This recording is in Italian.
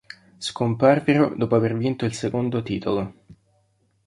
Scomparvero dopo aver vinto il secondo titolo.